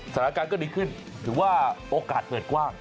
สถานการณ์ก็ดีขึ้นถือว่าโอกาสเปิดกว้าง